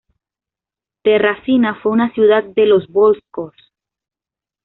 Terracina fue una ciudad de los volscos.